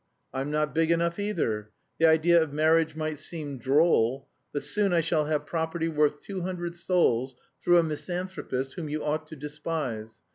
I'm not big enough either. The idea of marriage might seem droll, but soon I shall have property worth two hundred souls through a misanthropist whom you ought to despise.